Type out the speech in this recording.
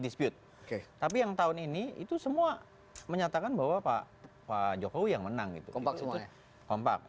dispute tapi yang tahun ini itu semua menyatakan bahwa pak jokowi yang menang gitu instrumen kompak